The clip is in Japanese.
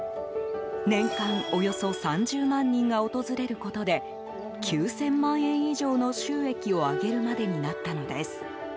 年間、およそ３０万人が訪れることで９０００万円以上の収益を上げるまでになったのです。